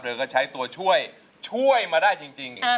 ก็ใช้ตัวช่วยช่วยมาได้จริง